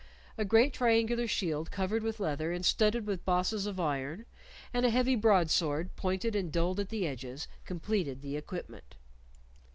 A great triangular shield covered with leather and studded with bosses of iron, and a heavy broadsword, pointed and dulled at the edges, completed the equipment.